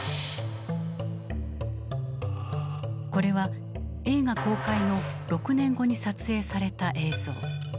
これは映画公開の６年後に撮影された映像。